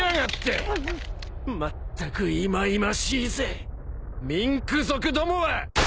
まったくいまいましいぜミンク族どもは！